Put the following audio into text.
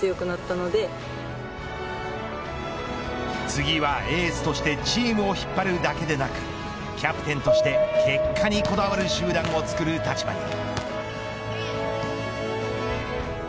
次はエースとしてチームを引っ張るだけでなくキャプテンとして結果にこだわる集団をつくる立場に。